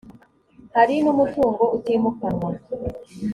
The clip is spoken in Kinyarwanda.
harimo n umutungo utimukanwa